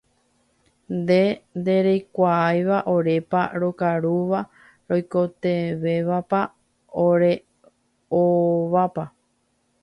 nde ndereikuaáiva orépa rokarúva, roikovẽvapa, oreaóvapa